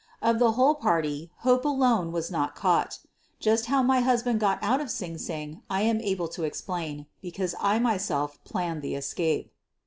Of the whole party, Hope alone was not caught. Just how my husband got out of Sing Sing I am able to explain, because I myself planned the escape.